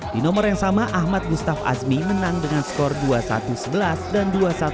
di nomor yang sama ahmad gustaf azmi menang dengan skor dua satu sebelas dan dua satu tiga belas